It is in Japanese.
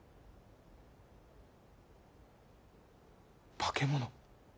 化け物！